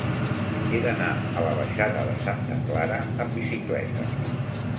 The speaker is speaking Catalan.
He d'anar a la baixada de Santa Clara amb bicicleta.